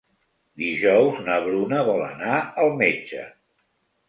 Dijous na Bruna vol anar al metge.